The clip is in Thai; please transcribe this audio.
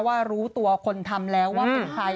ว่ารู้ตัวคนทำแล้วว่าเป็นใคร